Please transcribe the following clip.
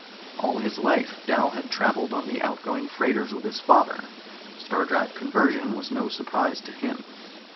All his life Dal had traveled on the outgoing freighters with his father; star drive conversion was no surprise to him.